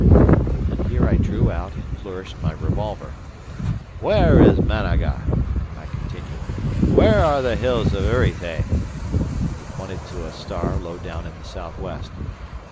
And here I drew out and flourished my revolver. "Where is Managa?" I continued. "Where are the hills of Uritay?" He pointed to a star low down in the south west.